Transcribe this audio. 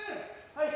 はい！